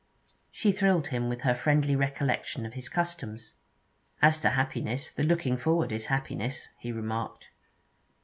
She thrilled him with her friendly recollection of his customs. 'As to happiness, the looking forward is happiness,' he remarked.